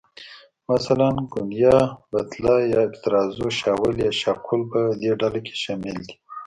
مثلاً، ګونیا، بتله یا آبترازو، شاول یا شافول په دې ډله کې شامل دي.